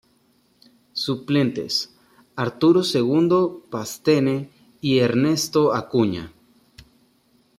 Suplentes: Arturo Segundo Pastene y Ernesto Acuña.